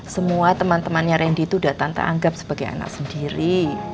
semua teman temannya rendy itu udah tante anggap sebagai anak sendiri